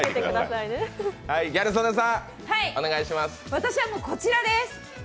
私はもうこちらです。